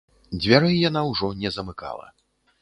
Дзвярэй яна ўжо не замыкала.